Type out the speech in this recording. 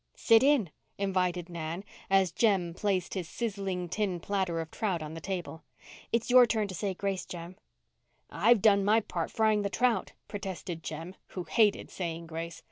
"Sit in," invited Nan, as Jem placed his sizzling tin platter of trout on the table. "It's your turn to say grace, Jem." "I've done my part frying the trout," protested Jem, who hated saying grace.